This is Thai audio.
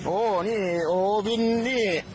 โอ้นี่โอ้วินนี่